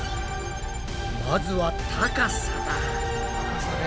まずは高さだ。